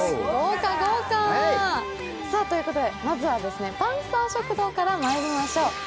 豪華、豪華。ということで、まずは「パンサー食堂」からまいりましょう。